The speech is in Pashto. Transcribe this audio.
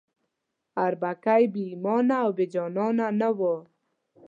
اربکی بې ایمانه او بې جانانه نه وو.